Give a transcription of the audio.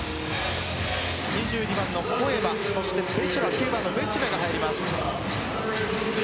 ２２番のコエバ９番のベチェバが入ります。